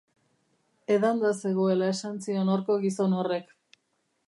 Edanda zegoela esan zion horko gizon horrek.